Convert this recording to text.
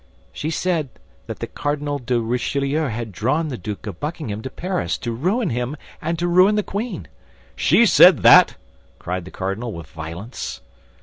"She said that the Cardinal de Richelieu had drawn the Duke of Buckingham to Paris to ruin him and to ruin the queen." "She said that?" cried the cardinal, with violence.